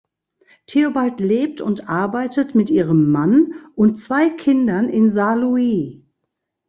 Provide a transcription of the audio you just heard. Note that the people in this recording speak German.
Theobald lebt und arbeitet mit ihrem Mann und zwei Kindern in Saarlouis.